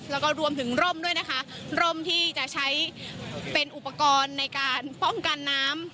แล้วก็รวมถึงร่มด้วยนะคะร่มที่จะใช้เป็นอุปกรณ์ในการป้องกันน้ำ